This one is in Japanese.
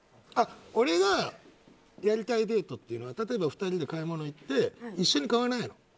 俺がやりたいデートは例えば２人で買い物に行って一緒に買わないの。